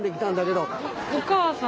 お母さん？